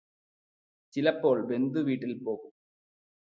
ചിലപ്പോൾ ബന്ധുവീട്ടിൽ പോകും.